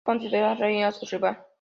Ella considera Rei a su rival.